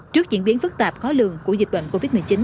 trước diễn biến phức tạp khó lường của dịch bệnh covid một mươi chín